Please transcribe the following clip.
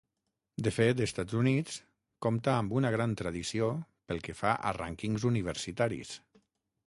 De fet, Estats Units compta amb una gran tradició pel que fa a rànquings universitaris.